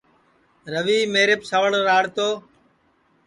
روی میریپ سوڑ راݪ تو